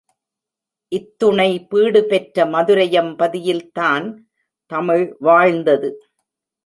இத்துணை பீடுபெற்ற மதுரையம்பதியில் தான் தமிழ் வாழ்ந்தது.